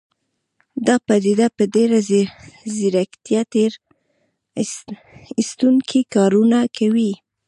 دا پديده په ډېره ځيرکتيا تېر ايستونکي کارونه کوي.